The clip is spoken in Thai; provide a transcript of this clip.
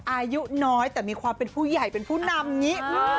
อายุน้อยแต่มีความเป็นผู้ใหญ่เป็นผู้นำอย่างนี้